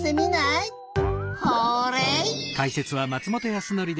ホーレイ！